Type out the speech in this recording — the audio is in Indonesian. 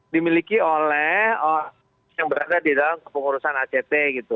dimiliki oleh yang berada di dalam pengurusan act